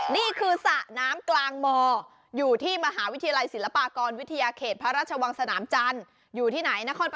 นี่คือสระน้ำกลางมอยู่ที่มหาวิทยาลัยศิลปากรวิทยาเขตพระราชวังสนามจันทร์อยู่ที่ไหนนครป